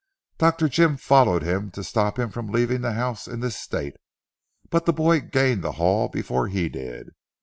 Dr. Jim followed him to stop him from leaving the house in this state. But the boy gained the hall before he did.